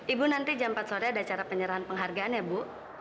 ibu nanti jam empat sore ada cara penyerahan penghargaan ya bu